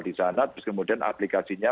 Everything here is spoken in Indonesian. di sana terus kemudian aplikasinya